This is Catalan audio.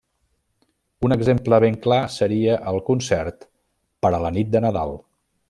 Un exemple ben clar seria el Concert per a la Nit de Nadal.